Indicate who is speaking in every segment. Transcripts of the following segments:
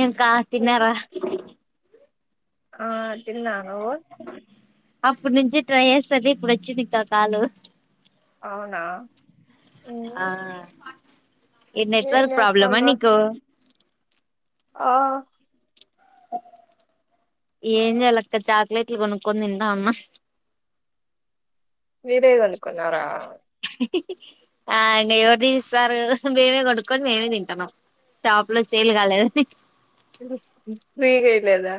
Speaker 1: ఏంకా తిన్నారా
Speaker 2: ఆ తిన్నా నువ్వు
Speaker 1: అప్పుడు నుంచి ట్రై చేస్తుంది ఇప్పుడు వచ్చింది ఇంకా కాలు
Speaker 2: అవునా
Speaker 1: ఆ
Speaker 2: ఉమ్,
Speaker 1: ఏ
Speaker 2: ఏం
Speaker 1: నెట్వర్క్ ప్రాబ్లమా
Speaker 2: చేస్తాండ్రు
Speaker 1: నీకు
Speaker 2: ఆ
Speaker 1: ఓకే ఏం చేయాలక్క చాక్లెట్లు కొనుక్కొని తింటా ఉన్నా
Speaker 2: మీరే కొనుక్కున్నారా
Speaker 1: ఆ అం ఎవరు కొనిస్తరు మేమే కొడుక్కొని మేమే తింటన్నాం షాప్ లో సేల్ కాలేద
Speaker 2: ఫ్రీగా ఇలేదా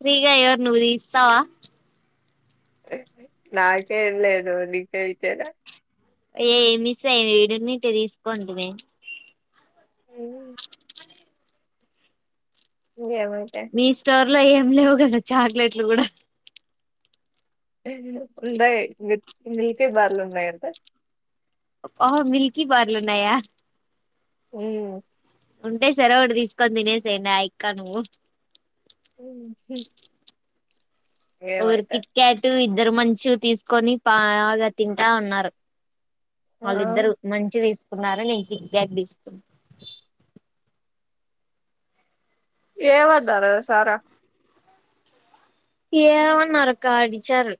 Speaker 1: ఫ్రీగా ఎవర్ నువ్ ఇస్తావా
Speaker 2: నాకేం లేదు నీకే వితేర
Speaker 1: ఏ మిస్ అయింది ఈడున్నాయ్ ఇట్ట తీసుకోడమే
Speaker 2: అ గేమైతే
Speaker 1: ఇలా ఏం లేవు కదా చాక్లెట్లు కూడా
Speaker 2: ఉంటయి మి మిల్కే బార్లు ఉన్నాయి అంటే
Speaker 1: ఆహ మిల్కి బార్లున్నయా
Speaker 2: హు
Speaker 1: ఉంటే సర ఒకటి తీసుకొని తినేసడి నాయక్క నువ్వు
Speaker 2: ఉ
Speaker 1: ఊరు కిట్కట్ ఇద్దరు మంచు తీసుకొని పాగా తింటా ఉన్నారు
Speaker 2: ఆ
Speaker 1: వాళ్ళిద్దరు మంచ్ తీసుకున్నారు నేన్ కిట్కాట్ తీస్కు
Speaker 2: ఏమన్నారు సారా
Speaker 1: ఏవన్నారక్కా అడిచారు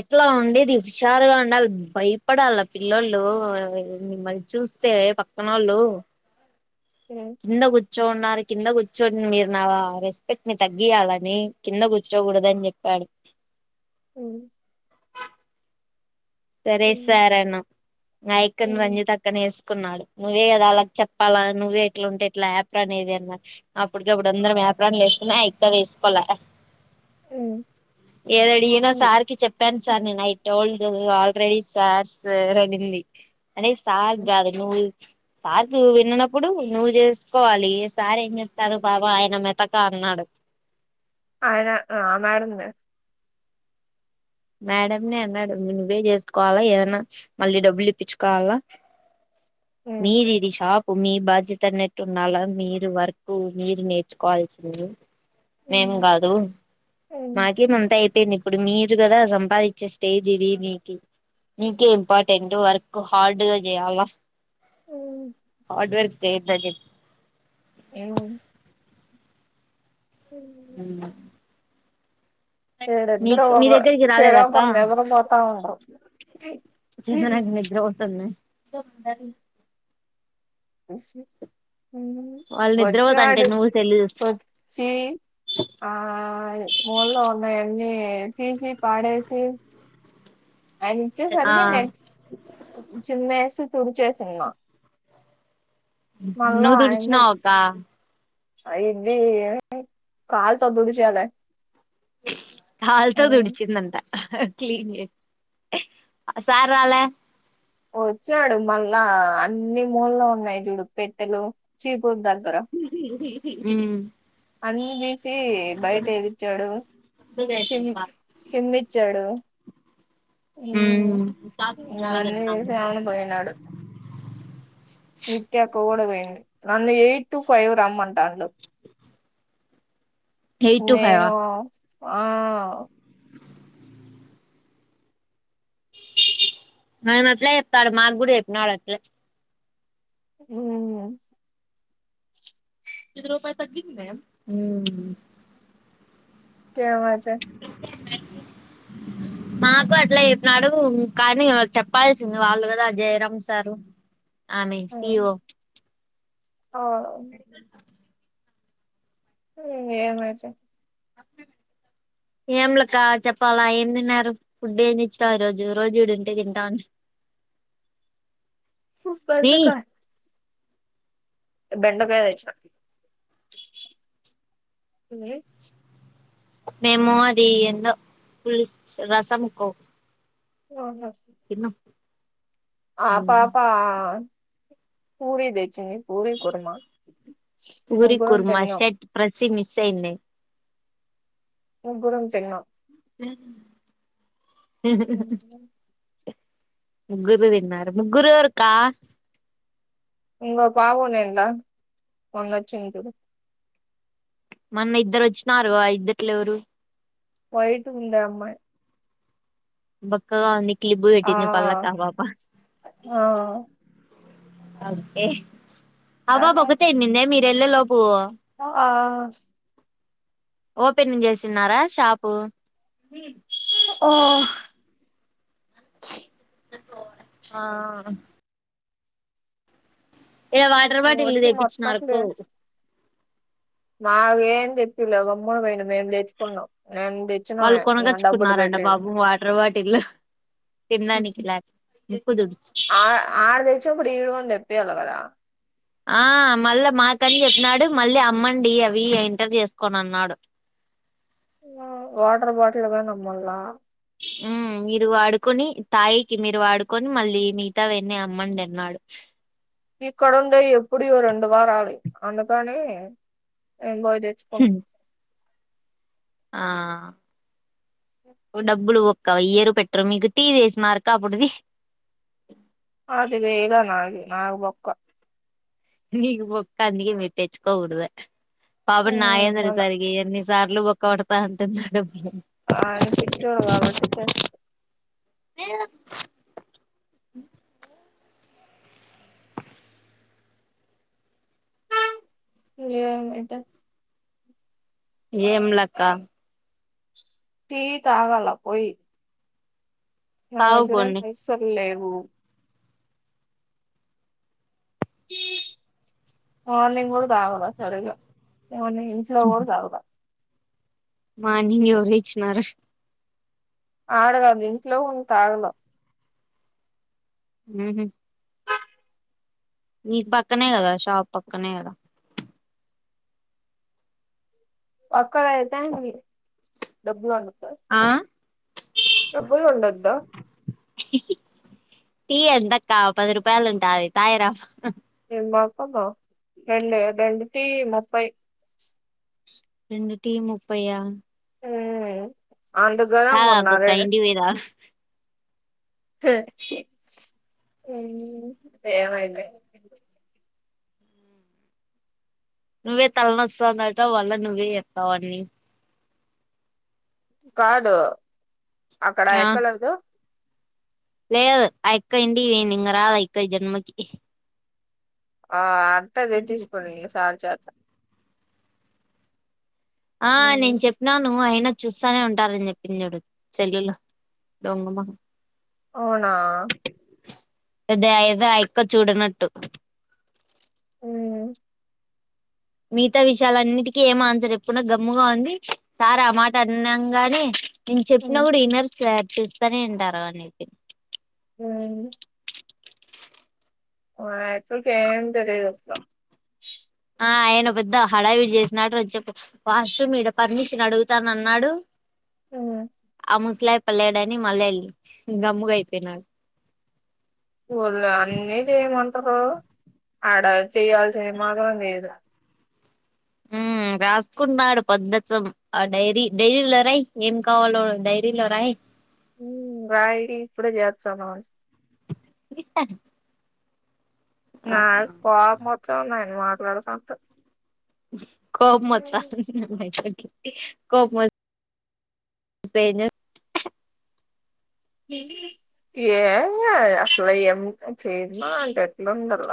Speaker 1: ఎట్లా ఉండేది హుషారుగా ఉండాలి భయపడాలి ఆ పిల్లలు మిమ్మల్ని చూస్ స్తే పక్కనోళ్ళు
Speaker 2: ఉమ్,
Speaker 1: ఇందాగ్ కూర్చోన్నారు కింద కూర్చోడిన్ మీర్ నా రెస్పెక్ట్ ని తగ్గియాలనీ కింద కూర్చోగూడదు అని చెప్ప అడి
Speaker 2: మ్
Speaker 1: సరే
Speaker 2: ఉమ్,
Speaker 1: సార అన్న నాయక్కని
Speaker 2: ఉమ్,
Speaker 1: రంజిత అక్కనే ఏస్ న్నాడు నువ్వే కదా అలా చెప్పాలా నువ్వే ఎట్లా ఉంటే ఇట్లా ఆపర్ అనేది అన్నారు అప్పటికప్పుడు అందరం వ్యాప్రా వసుకున్నా ఇక్క వేసుకోలే ఏదడిగన
Speaker 2: ఉమ్, ఉమ్,
Speaker 1: సార్కి చెప్పాన్ సార్ నేను ఐ టోల్డ్ రడి సార్ స ర నిల్లి అనేే
Speaker 2: ఉమ్.
Speaker 1: సార్గాద నూ సార్ ను విన్ననప్పుడు నువ్వు చేసుకోవాలి ఏ సార్ ఏం చేస్తాను బాబా ఆయన మెతక నాడు
Speaker 2: అనా ఆ మేడంన
Speaker 1: మేడంనే అన్నాడు నువ్వే చేసుకోవాలా ఏదన్నా మళ్ళీ డబ్బులు ఇప్పించుకోలా
Speaker 2: మేడంనే
Speaker 1: మీదీది షాప్ మీ బాధ్యత అనట్టు ఉన్నాలా మీరు వరకు మీరు నేర్చుకోవాల్సింది మేం గాదు మాకేం అంతా అయిపోయింది ఇప్పుడు మీరు కదా సంపాదించే స్టేజ్ ఇది మీకి నీకే ఇంపార్టెంట్ వర్క్ హార్డ్గా చేయాలా
Speaker 2: మ్
Speaker 1: [inaudible]
Speaker 2: ఏవూ
Speaker 1: అ
Speaker 2: ఈడిద్దరు
Speaker 1: దగ్గరికి రాలేదక్క
Speaker 2: శరాపురం నిదురపోతా ఉండ్రు
Speaker 1: [unintelligible] వాళ్ళు నిద్రపోతంటే
Speaker 2: వచ్చాడు
Speaker 1: నువ్వు సెల్లు చూస్తూ
Speaker 2: ఓచ్చీ ఆ మూలలో ఉన్నాయి అన్నీ ఎల్ఫీసి పాడేసి అంచే
Speaker 1: ఆ
Speaker 2: సరిగే న చున్నేసి తుడిచేసున్నా
Speaker 1: నువ్ తడిచిన అకా
Speaker 2: అయి ఇది కాల్తొ తడిచాలె
Speaker 1: హల్తొ తుడిచిందంట క్లీన్ సార్రాలె
Speaker 2: వచ్చాడు మళ్ళా అన్ని మూలో ఉన్నాయి చూడు పెట్టెలు చీపుర్ద
Speaker 1: మ్
Speaker 2: అన్ని తీసి బయట ఘపిచ్చాడు షిమ్ కిమ్మిచ్చాడు మ్
Speaker 1: మ్మ్
Speaker 2: ఇగ అన్నీసిమని పోయినాడు నిత్యక్క గూడ పోయింది నన్ను ఎయిట్ టు ఫైవ్ రమ్మంటాండు
Speaker 1: ఎయిట్ టు ఫైవ్ ఆ
Speaker 2: నేనూ ఆ
Speaker 1: ఆయన అట్లే చెప్తాడు మాకు గుడా చెప్పినాడు అట్లే
Speaker 2: మ్
Speaker 1: ఇ రూపాయ తగ్గంది మేడం
Speaker 2: కేవద్ద
Speaker 1: అ మాకు అట్లా చెప్పినారు కానీ చెప్పాల్సింది వాళ్ళు కదా జయరాం సారు ఆమె సి ఈ ఓ
Speaker 2: ఓ ఊ ఏమైతే
Speaker 1: అప్పుడే [unintelligible] ఏం లేక్క చెప్పాలా ఏం తిన్నారు. ఫుడ్ ఏమి ఇచ్చారా రోజు రోజు ఇడు ఉంటే తింటాన్
Speaker 2: హు పవిత్ర
Speaker 1: మీ
Speaker 2: అక్క బెండక ఏచినా
Speaker 1: మేము అది ఏందో పులుసు రసముకో
Speaker 2: ఓహో!
Speaker 1: తిన్న
Speaker 2: ఆ పాపా పూరి దేచ్చింది. పూరి కూర్మ ఇద్దరం తిన్నాం.
Speaker 1: షి మిస్సయిన్నె
Speaker 2: ముగ్గురం తిన్నాం.
Speaker 1: ముగ్గురు తిన్నారు ముగ్గురు ఎవరు అక్కా?
Speaker 2: ఇంగ ఒక ఆమె ఉండే కదా మొన్న వచ్చింది చూడు
Speaker 1: మొన్న ఇద్దరు వచ్చినారు ఇద్దట్ల ఎవరు?
Speaker 2: వైట్ ఉంది ఆ అమ్మాయి
Speaker 1: బక్కగా ఉంది క్లిప్
Speaker 2: ఆ
Speaker 1: బెట్టింది పళ్ళకు ఆ పాప
Speaker 2: ఆ
Speaker 1: హే ఆ పాప ఒకతే ఎల్లింద మీరు వెళ్ళ లోపు నా
Speaker 2: ఆ అ
Speaker 1: ఓపెనింగ్ చేస్తున్నారా? షాపు
Speaker 2: ఉమ్
Speaker 1: ఆ ఇగ వాటర్ బాటిల్
Speaker 2: వచ్చి
Speaker 1: తెప్పించిన రక్కో
Speaker 2: మాగేం తెప్పియలే గమ్మునా పోయినం మేము తేచుకున్నాం.
Speaker 1: వాళ్ళు కొనగచ్చుకున్నరంట పాపం వాటర్ బాటిళ్ళు తిన్నానికి లా ముక్కుతుడుసు
Speaker 2: ఆ ఆడ్ తెచ్చ అప్పుడు ఈడు గూడ తెప్పియల్ కదా!
Speaker 1: ఆ మళ్ళా మాకని చెప్పినాడు. మళ్ళీ అమ్మండి అవి ఇంటర్ చేసుకోని అన్నాడు.
Speaker 2: ఆ వాటర్ బాటిళ్లు కొని అమ్మల్ల
Speaker 1: ఉమ్ మీరు వాడుకొని తాయికి మీరు వాడుకొని మళ్ళీ మిగతా వన్నీ అమ్మండి అన్నాడు.
Speaker 2: ఈ ఇక్కడ ఉండేది ఎప్పుడు ఇగ రెండు వారాలి అందుకని నేను బోయి తెచ్చకున్న
Speaker 1: ఆ అవి డబ్బులు ఒ ఇక్కవయ్యరు పెట్టరు మీకు టీ ఎసినార్క అప్పుడుది.
Speaker 2: పదివేల నాగి నాకి పక్క
Speaker 1: నీకు బొక్క అందుకే మీరు తెచ్చుకోకూడదు. పాపం నాయందరిసరికి ఎన్ని సార్లు బొక్క పేడతా అంటున్నాడు.
Speaker 2: అడు పిచ్చోడు కాబట్టి తెస్తడు.
Speaker 1: ఏ
Speaker 2: ఏ ఇంట
Speaker 1: ఏంలక్క
Speaker 2: తీటీ త ఆగాాల పోయిది
Speaker 1: తావు
Speaker 2: ననగ్రం
Speaker 1: పోనీ
Speaker 2: పైసల మార్నింగ్ కూడా కావాల సరి్గా ఇంచస్లోఓదు అగా
Speaker 1: మా న ఎవర ఇచ్చినార
Speaker 2: ఆడ కాదు ఇంట్లో ఉ తాగలో
Speaker 1: ఆ మీ పక్కనే కదా షాప్ పక్కనే కదా
Speaker 2: అక్కడ అతేా మీ డబ్లు అను
Speaker 1: ఆ
Speaker 2: ఎప్పు ఉండంతా
Speaker 1: టీ ఎంతక్క పది రూపాయలు ఉంటాది తాయిరా
Speaker 2: మాకమ రెం రెండటి ముప్పై
Speaker 1: రెం టీ ముప్పయ
Speaker 2: అందుకు కదా
Speaker 1: తాగాకొక్క
Speaker 2: మొన్నారే
Speaker 1: ఇంటికి పోయి తాగు
Speaker 2: ఏమైంది
Speaker 1: నువ్వే తలనొస్తాందట వాళ్ళ నువ్వే ఎస్తావన్నీ
Speaker 2: కాదు అక్కడ
Speaker 1: ఆ
Speaker 2: అక్క గళ్ళు
Speaker 1: లేదు ఆ ఇక్క ఇండి ఇంక రాదు ఇక్క జన్మకి
Speaker 2: ఆ అంతేదే తీసుకోని సార్ చేత
Speaker 1: ఆ
Speaker 2: ఉమ్,
Speaker 1: నేను చెప్పినను అయిన చూస్తానే ఉంటారుని చెప్పి చడు చెల్యళ దొంగమ
Speaker 2: అవునా
Speaker 1: అద ఏదో క్క చూడనట్టు
Speaker 2: అ
Speaker 1: మిగతా విషయాలన్నిటికీ ఏం ఆన్సర్ ఎప్పుడున్నా గమ్ముగా ఉంది సార్ ఆ మాట అన్నగానే నేను చెప్పినా
Speaker 2: మ్మ్
Speaker 1: కూడా ఈనర్ సార్ చూస్తానే అంటారు అని అయి
Speaker 2: ఆ అతు ఫే తెరదుసలో
Speaker 1: ఆ ఆయన పెద్ద హడావిడి చేసినట్టు ర చె వాష్రూమ్ ఇడ పర్మిషన్ అడుగుతాన అన్నాడు
Speaker 2: ఉమ్,
Speaker 1: ముూసలాయి పల్ల్యాడని మళ్ళ వెళ్ళి గమ్ముగ అయిపోయినడు
Speaker 2: వాళ్ళు అన్నీ చేయమంటారు ఆడ చేయాల్సిిన మాత్రం లేద
Speaker 1: ఉ రాసుకుంటన్నాడు పద్దసం ఆ డైరీ డైరీలో రాయి ఏం కావాలో డైరీలో రాయి
Speaker 2: రాయి ఇప్పుడే చేస్తా మ
Speaker 1: ఇ
Speaker 2: నా పోవ పోచ్చాన్నాయి మాటలాడ స
Speaker 1: క మ్ అ కొ మ
Speaker 2: ఏ ఏ అసలే ఏం చేయన్నంటెట్లోండల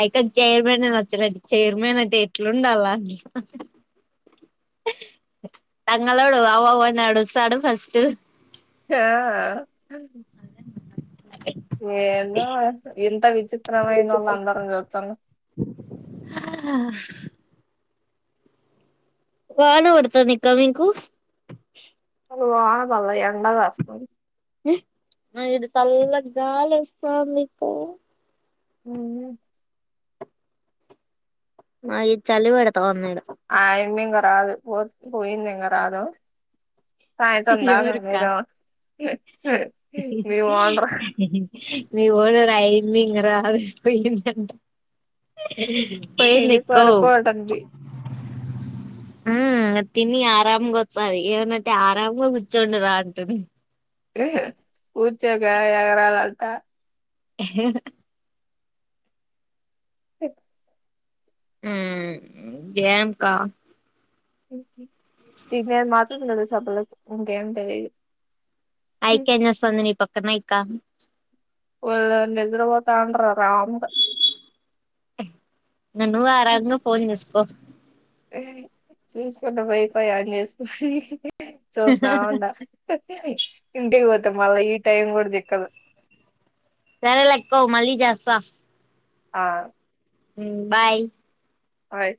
Speaker 1: అయిక చైర్మన్ అని వచ్చారడి చైర్మన్ అంటే ఎట్లుండాల తంగలోడు అవవున్నాడుస్తడు ఫస్ట్
Speaker 2: హో ఏదో ఇంత విచిత్రమయిైన వాళ్ళు అందరం చూస్తాను
Speaker 1: హ హ వానపడతదా మీకు
Speaker 2: అసల వాన పడల ఎంండ కాస్తుంది
Speaker 1: అ ఇటు చల్లటి గాలి వస్తాంది. అక్క
Speaker 2: అవున
Speaker 1: మా చలి పెడతాంది ఈడ
Speaker 2: ఆ యమ్మి ఇంక రాదు పో పోయింది ఇక రాదు సాయంత్రం దాక
Speaker 1: ఎవరుక్క
Speaker 2: మీరు మీ ఒనరు
Speaker 1: మీ వాల్ రైమింగ్ రాదు పోయిందంట
Speaker 2: తిని
Speaker 1: పోయిందెక్కో
Speaker 2: పడుకోవటంది
Speaker 1: ఉమ్ అది తిని ఆరాంగ వస్తుంది ఏమనంటే ఆ రాంమ్గ కూర్చోండి రా అంటుని
Speaker 2: కుర్చోక ఎగరాాలంటా సి
Speaker 1: ఉమ్ ఏంకా
Speaker 2: తినేది మాత్రం తెలుసు ఆ పిల్లకి ఇంకేం తెలిదు
Speaker 1: ఐక ఏం చేస్తుంది. నీ పక్కన యి కా
Speaker 2: ఒల్ నిద్ర పోోతాండ్రు
Speaker 1: నువ్వు ఆరాంగ పోన్ చూసుకో
Speaker 2: చూసుకున్న వైఫై ఆన్ చేసుకో చూస్తా ఉండ ఇంటికి పోతేా మళ్ళా ఈ టైం కూడ దిక్కదు
Speaker 1: సరే లెక్క వ్ మళ్ళీ చేస్తా
Speaker 2: ఆ
Speaker 1: మ్ బాయ్
Speaker 2: బాయ్